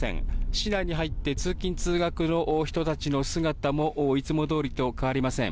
市内に入って通勤・通学の人たちの姿もいつもどおりと変わりません。